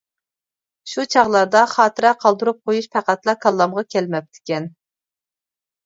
شۇ چاغلاردا خاتىرە قالدۇرۇپ قويۇش پەقەتلا كاللامغا كەلمەپتىكەن.